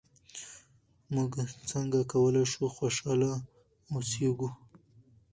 موږ څنګه کولای شو خوشحاله اوسېږو؟